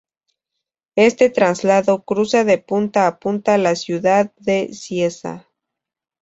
Este traslado cruza de punta a punta la ciudad de Cieza.